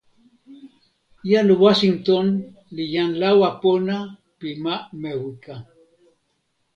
jan Wasinton li jan lawa pona pi ma Mewika.